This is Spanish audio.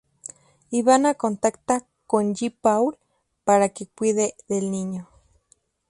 Ivana contacta con Jean-Paul para que cuide del niño.